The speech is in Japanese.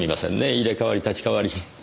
入れ代わり立ち代わり。